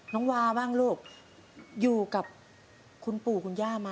น้องวาบ้างลูก